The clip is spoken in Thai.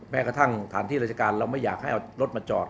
แม้กระทั่งสถานที่ราชการเราไม่อยากให้เอารถมาจอด